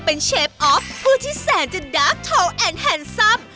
เป็นเชฟออฟผู้ที่แสนจะดาร์กโทแอนแฮนซัม